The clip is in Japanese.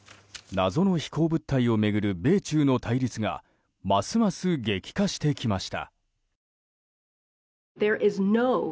謎の飛行物体を巡る米中の対立がますます激化してきました。